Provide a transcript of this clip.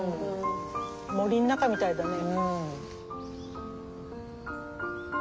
森の中みたいだね。